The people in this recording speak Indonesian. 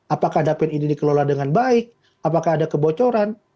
apakah dapen ini dikelola dengan baik apakah ada kebocoran